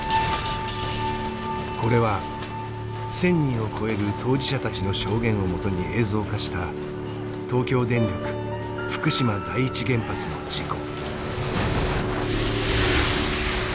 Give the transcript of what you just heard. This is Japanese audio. これは１，０００人を超える当事者たちの証言をもとに映像化した東京電力福島第一原発の事故。